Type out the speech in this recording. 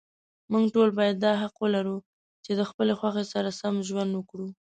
موږ ټول باید دا حق ولرو، چې له خپلې خوښې سره سم ژوند وکړو.